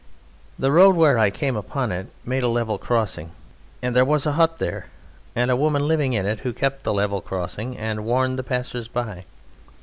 The road where I came upon it made a level crossing, and there was a hut there, and a woman living in it who kept the level crossing and warned the passers by.